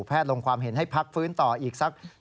แพทย์ลงความเห็นให้พักฟื้นต่ออีกสัก๒๓วัน